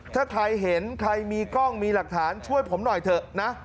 ถ้าใครเห็นใครมีกล้องมีหลักฐานช่วยผมหน่อยเถอะนะ